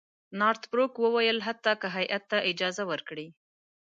نارت بروک وویل حتی که هیات ته اجازه ورکړي.